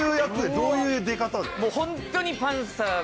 どういう出方で？